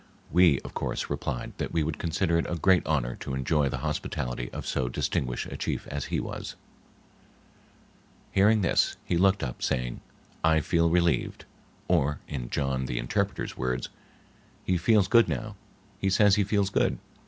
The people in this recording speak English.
We, of course, replied that we would consider it a great honor to enjoy the hospitality of so distinguished a chief as he was. Hearing this, he looked up, saying, "I feel relieved"; or, in John the interpreter's words, "He feels good now, he says he feels good."